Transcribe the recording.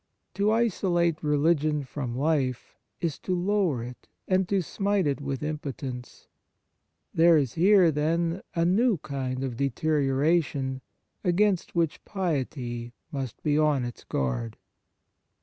To isolate religion from life is to lower it and to smite it with impotence ; there is here, then, a new kind of deterioration, against which piety must be on its guard.